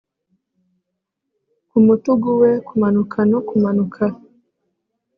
Kumutugu we kumanuka no kumanuka